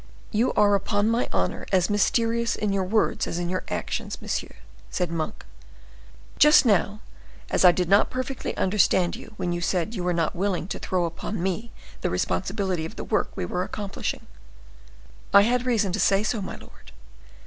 "You are, upon my honor, as mysterious in your words as in your actions, monsieur," said Monk. "Just now as I did not perfectly understand you when you said that you were not willing to throw upon me the responsibility of the work we were accomplishing." "I had reason to say so, my lord."